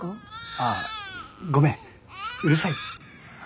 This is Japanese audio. あっごめんうるさい？